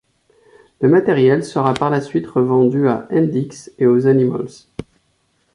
Le matériel sera par la suite revendu à Hendix et aux Animals.